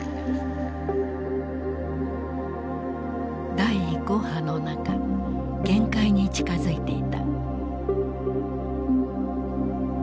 第５波の中限界に近づいていた。